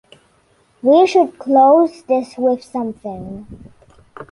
We should close this with something.